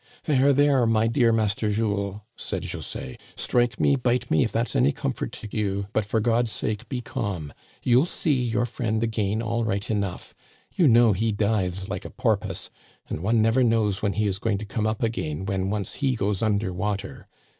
"There, there, my dear Master Jules," said José, " strike me, bite me, if that's any comfort to you, but, for God's sake, be calm. You'll see your friend again all right enough; you know he dives like a porpoise, and one never knows when he is going to come up again when once he goes under water.